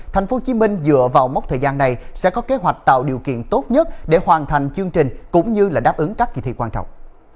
tp hcm dựa vào mốc thời gian này sẽ có kế hoạch tạo điều kiện tốt nhất để hoàn thành chương trình cũng như đáp ứng các kỳ thi quan trọng